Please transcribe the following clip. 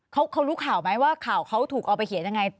เขารู้ข่าวไหมว่าข่าวเขาถูกเอาไปเขียนยังไง